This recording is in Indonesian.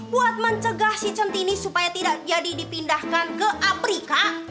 buat mencegah si chenti ini supaya tidak jadi dipindahkan ke afrika